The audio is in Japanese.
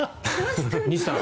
西さん。